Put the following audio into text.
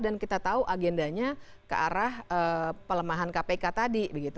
dan kita tahu agendanya ke arah pelemahan kpk tadi